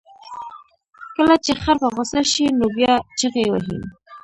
کله چې خر په غوسه شي، نو بیا چغې وهي.